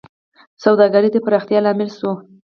سوداګرۍ د پراختیا لامل شوه.